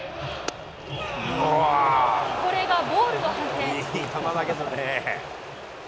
これがボールの判定。